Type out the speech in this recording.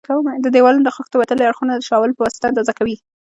د دېوالونو د خښتو وتلي اړخونه د شاول په واسطه اندازه کوي.